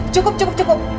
cukup cukup cukup